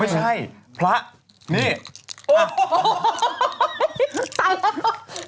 ไม่ใช่พระนี่